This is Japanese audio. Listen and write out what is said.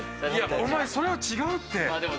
お前、それは違うって。